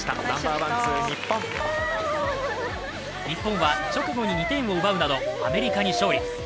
日本は直後に２点を奪うなどアメリカに勝利。